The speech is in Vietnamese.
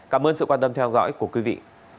cảm ơn sự quan tâm theo dõi của quý vị